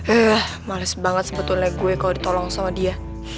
eh males banget sebetulnya gue kalau ditolong sama dia